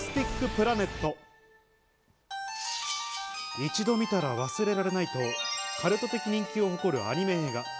一度見たら忘れられないとカルト的人気を誇るアニメ映画。